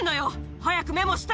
早くメモして。